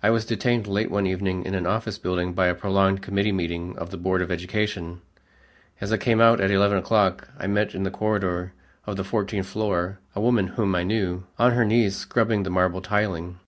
I was detained late one evening in an office building by a prolonged committee meeting of the Board of Education. As I came out at eleven o'clock, I met in the corridor of the fourteenth floor a woman whom I knew, on her knees scrubbing the marble tiling.